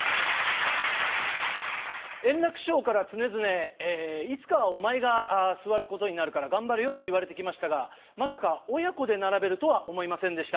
圓楽師匠から常々「いつかはお前が座ることになるから頑張れよ」と言われて来ましたがまさか親子で並べるとは思いませんでした。